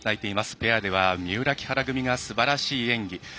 ペアでは三浦、木原組がすばらしい演技。